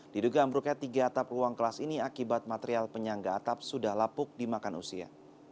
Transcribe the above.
diduga ambruknya tiga atap ruang kelas ini akibat material penyangga atap sudah lapuk dimakan usia